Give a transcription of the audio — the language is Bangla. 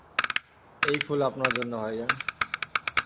এই ফুল আপনার জন্য ভাইজান।